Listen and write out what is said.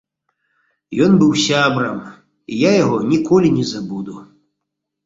Ён быў сябрам, і я яго ніколі не забуду.